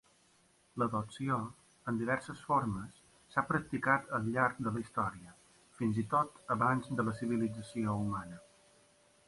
L'adopció, en diverses formes, s'ha practicat al llarg de la història, fins i tot abans de la civilització humana.